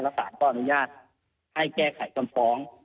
แล้วสารต้องอนุญาตให้แก้ไขกลำฟ้อง